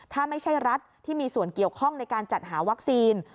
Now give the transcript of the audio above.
ถ้าไม่ใช่รัฐที่มีส่วนเกี่ยวข้องในการจัดหาวัคซีน